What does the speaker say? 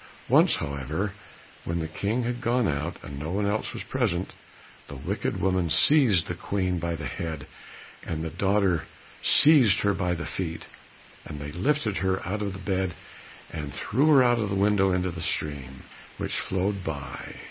Once, however, when the King had gone out, and no one else was present, the wicked woman seized the Queen by the head, and her daughter seized her by the feet, and they lifted her out of the bed, and threw her out of the window into the stream which flowed by.